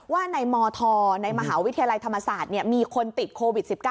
ว่าในมธในมหาวิทยาลัยธรรมศาสตร์มีคนติดโควิด๑๙